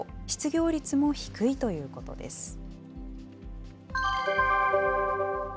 失業率も低いということです。